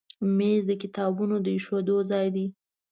مېز د کتابونو د ایښودو ځای دی.